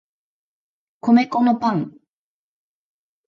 米粉のパン